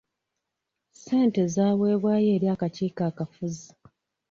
Ssente zaaweebwayo eri akakiiko akafuzi.